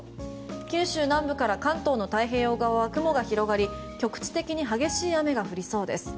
九州南部から関東の太平洋側は雲が広がり、局地的に激しい雨が降りそうです。